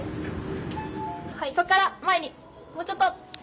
そっから前にもうちょっと！